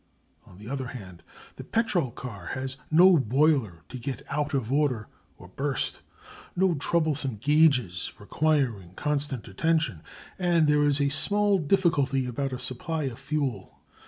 On the other hand the petrol car has no boiler to get out of order or burst, no troublesome gauges requiring constant attention, and there is small difficulty about a supply of fuel.